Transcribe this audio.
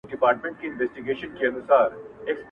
• دا کيسه غميزه انځوروي..